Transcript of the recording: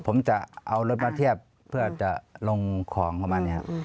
ผมจะเอารถมาเทียบเพื่อจะลงของประมาณนี้ครับ